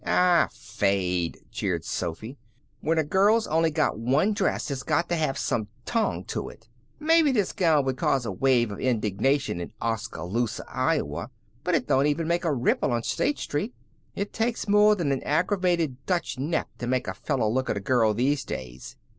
"Aw, fade!" jeered Sophy. "When a girl's only got one dress it's got to have some tong to it. Maybe this gown would cause a wave of indignation in Oskaloosa, Iowa, but it don't even make a ripple on State Street. It takes more than an aggravated Dutch neck to make a fellow look at a girl these days.